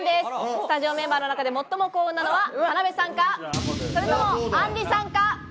スタジオメンバー中で最も幸運なのは、田辺さんか、それとも、あんりさんか？